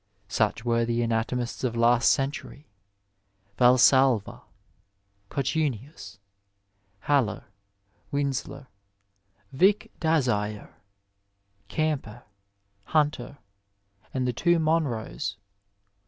Such were the anatomists of last century — ^Valsalva, Cotunnius, HaUer, Winslow, Vicq d'Azyr, Camper, Hunter, and the two Monros.